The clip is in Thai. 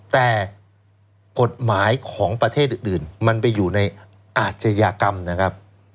แต่กฎหมายของประเทศอื่นมันไปอยู่ในอาชญากรรมนะครับ